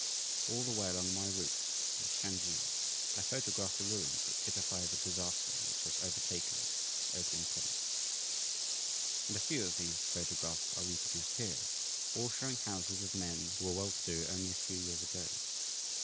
All the way along my route in Shansi I photographed the ruins that typify the disaster which has overtaken this opium province. And a few of these photographs are reproduced here, all showing houses of men who were well to do only a few years ago.